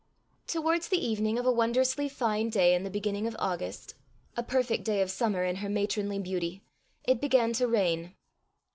Towards the evening of a wondrously fine day in the beginning of August a perfect day of summer in her matronly beauty, it began to rain.